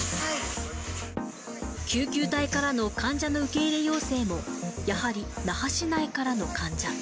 救急隊からの患者の受け入れ要請も、やはり那覇市内からの患者。